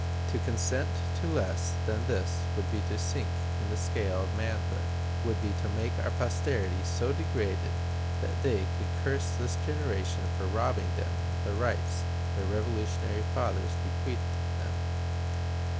To consent to less than this would be to sink in the scale of manhood; would be to make our posterity so degraded that they would curse this generation for robbing them of the rights their Revolutionary fathers bequeathed them....